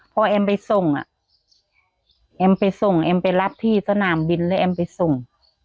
พอแอมไปส่งอ่ะแอมไปส่งแอมไปรับที่สนามบินแล้วแอมไปส่ง